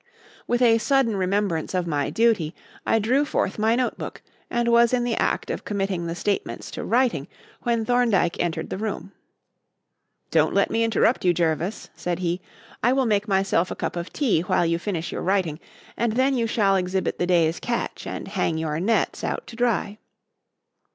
With a sudden remembrance of my duty, I drew forth my notebook, and was in the act of committing the statements to writing, when Thorndyke entered the room. "Don't let me interrupt you, Jervis," said he. "I will make myself a cup of tea while you finish your writing, and then you shall exhibit the day's catch and hang your nets out to dry."